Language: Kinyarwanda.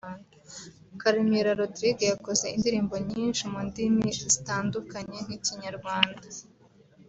Karemera Rodrigue yakoze indirimbo nyinshi mu ndimi zitandukanye nk’Ikinyarwanda